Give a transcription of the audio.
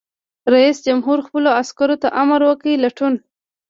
رئیس جمهور خپلو عسکرو ته امر وکړ؛ لټون!